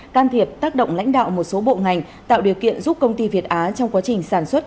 can thiệp tác động lãnh đạo một số bộ ngành tạo điều kiện giúp công ty việt á trong quá trình sản xuất